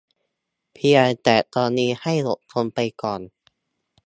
เพียงแต่ตอนนี้ให้อดทนไปก่อน